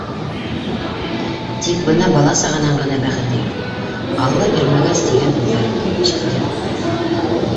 Тик бына бала-сағанан ғына бәхете юҡ, алла бирмәгәс, — тигән һүҙҙәрен күп ишеткән.